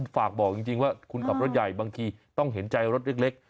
ฝากบอกจริงว่าคุณขับรถใหญ่บางทีต้องเห็นใจรถเล็ก